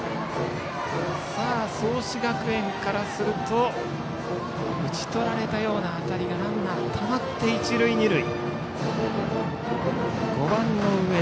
創志学園からすると打ち取られたような当たりがランナー、たまって一塁二塁。